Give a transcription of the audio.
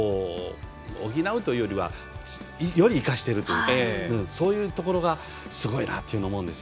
補うというよりはより生かしているというかそういうところがすごいと思います。